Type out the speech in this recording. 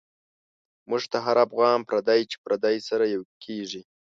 موږ ته هر افغان پردی، چی پردی سره یو کیږی